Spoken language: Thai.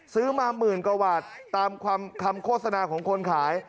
ซื้อมาหมื่นกว่าบาทตามคำโฆษณาของคนขาย